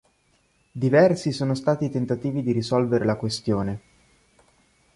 Diversi sono stati i tentativi di risolvere la questione.